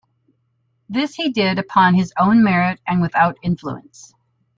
This he did upon his own merit and without influence.